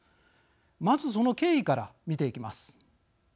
まずその経緯から見ていきます。